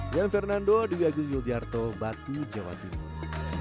koduyagung yudharto batu jawa timur